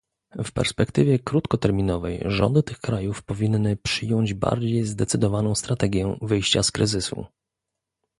W perspektywie krótkoterminowej rządy tych krajów powinny przyjąć bardziej zdecydowaną strategię wyjścia z kryzysu